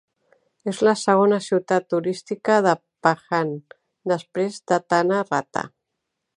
És la segona ciutat turística de Pahang després de Tanah Rata.